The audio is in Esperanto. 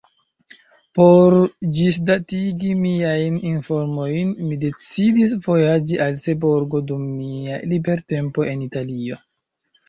Por ĝisdatigi miajn informojn, mi decidis vojaĝi al Seborgo dum mia libertempo en Italio.